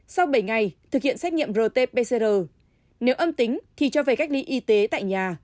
sau bảy ngày thực hiện xét nghiệm rt pcr nếu âm tính thì cho về cách ly y tế tại nhà